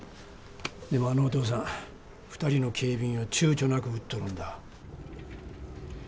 でもあのおとうさん２人の警備員を躊躇なく撃っとるんだ。